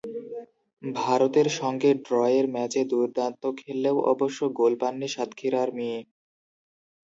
ভারতের সঙ্গে ড্রয়ের ম্যাচে দুর্দান্ত খেললেও অবশ্য গোল পাননি সাতক্ষীরার মেয়ে।